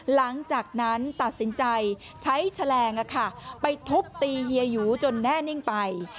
หลังจากนั้นตัดสินใจใช้แฉลงไปทุบตีเฮียหยูจนแน่นิ่งไป